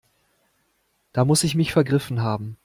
Da muss ich mich vergriffen haben.